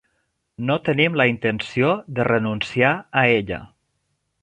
No tenim la intenció de renunciar a ella.